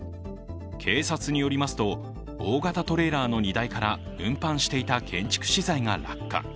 警察によりますと、大型トレーラーの荷台から運搬していた建築資材が落下。